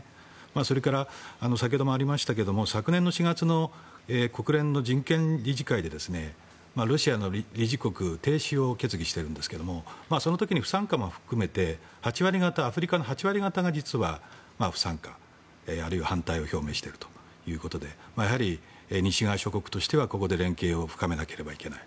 それから先ほどもありましたが昨年の４月の国連の人権理事会でロシアの理事国停止を決議しているんですがその時に不参加も含めてアフリカの８割方が実は不参加、あるいは反対を表明しているということでやはり西側諸国としてはここで連携を深めなければいけない。